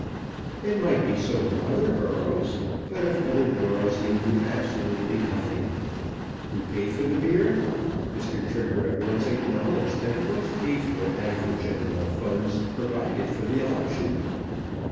It might be so in other boroughs, but of other boroughs he knew absolutely nothing. Who paid for the beer? Mr. Trigger at once acknowledged that it was paid for out of the general funds provided for the election.